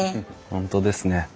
本当ですね。